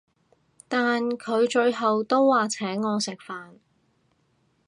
但佢最後都話請我食飯